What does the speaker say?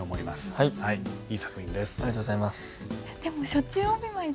はい。